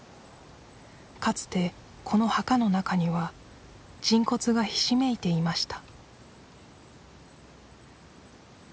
かつてこの墓の中には人骨がひしめいていました